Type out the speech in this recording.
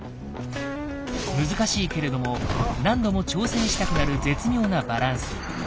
難しいけれども何度も挑戦したくなる絶妙なバランス。